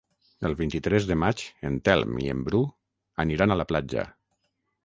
El vint-i-tres de maig en Telm i en Bru aniran a la platja.